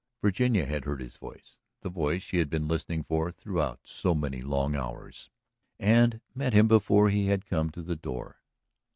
Virginia had heard his voice, the voice she had been listening for throughout so many long hours, and met him before he had come to the door.